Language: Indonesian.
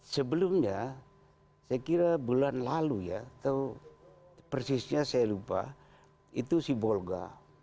sebelumnya saya kira bulan lalu ya atau persisnya saya lupa itu sibolga